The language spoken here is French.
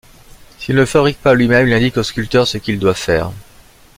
S'il ne le fabrique pas lui-même, il indique au sculpteur ce qu'il doit faire.